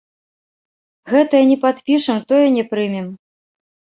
Гэтае не падпішам, тое не прымем.